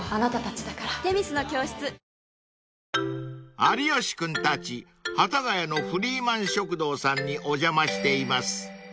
［有吉君たち幡ヶ谷のフリーマン食堂さんにお邪魔しています］